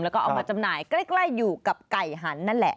แล้วก็เอามาจำหน่ายใกล้อยู่กับไก่หันนั่นแหละ